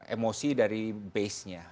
emosi dari base nya